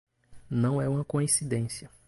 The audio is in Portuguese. Não é uma coincidência